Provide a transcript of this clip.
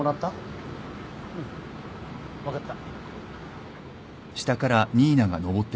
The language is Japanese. うん分かった。